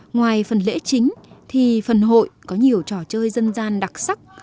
ngoài phần lễ chính thì phần hội có nhiều trò chơi dân gian đặc sắc